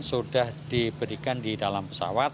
sudah diberikan di dalam pesawat